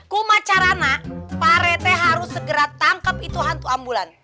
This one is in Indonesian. kumacarana pak rete harus segera tangkap itu hantu ambulan